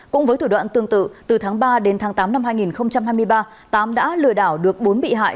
cũng với thủ đoạn tương tự từ tháng ba đến tháng tám năm hai nghìn hai mươi ba tám đã lừa đảo được bốn bị hại